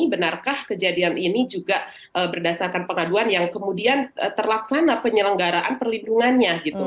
benarkah kejadian ini juga berdasarkan pengaduan yang kemudian terlaksana penyelenggaraan perlindungannya gitu